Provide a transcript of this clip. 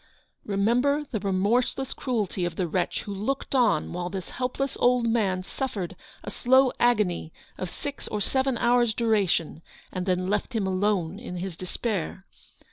Remember the remorseless cruelty of the wretch who looked on while this helpless old man suffered a slow agony of six or seven hours' duration, and then left him alone in his despair.